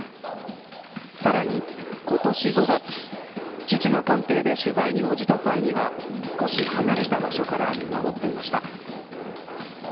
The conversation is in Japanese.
さらに、今年５月父が官邸で取材に応じた際には少し離れた場所から見守っていました。